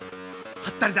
はったりだ。